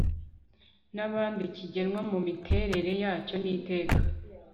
n abandi kigenwa mu miterere yacyo n iteka